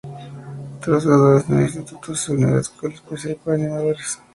Tras graduarse del instituto se unió a una escuela especial para animadores.